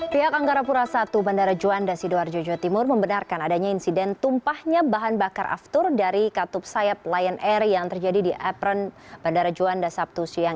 pihak anggarapura satu bandara juanda sidoarjo jawa timur membenarkan adanya insiden tumpahnya bahan bakar aftur dari katup sayap lion air yang terjadi di apron bandara juanda sabtu siang